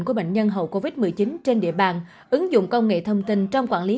của bệnh nhân hậu covid một mươi chín trên địa bàn ứng dụng công nghệ thông tin trong quản lý